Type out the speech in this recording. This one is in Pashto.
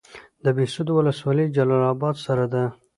د بهسودو ولسوالۍ جلال اباد سره ده